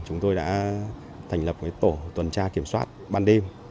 chúng tôi đã thành lập tổ tuần tra kiểm soát ban đêm